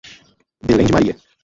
Belém de Maria